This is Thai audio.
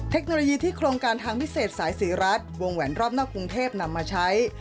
เทคโนโลยีที่โครงการทางพิเศษสายศรีรัฐวงแหวนรอบนอกกรุงเทพนำมาใช้